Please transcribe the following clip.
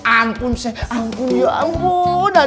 ampun ampun ya ampun